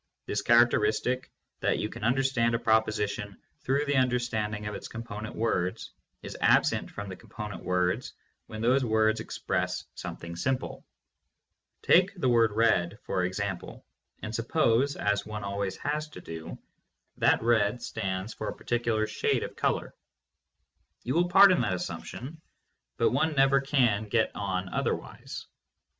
This charac teristic, that you can understand a proposition through the understanding of its component words, is absent from the component words when those words express something simple. Take the word "red," for example, and suppose — as one always has to do — that "red" stands for a par ticular shade of color. You will pardon that assumption, but one never can get on otherwise.